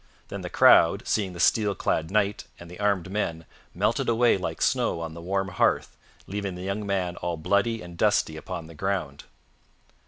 Then the crowd, seeing the steel clad knight and the armed men, melted away like snow on the warm hearth, leaving the young man all bloody and dusty upon the ground.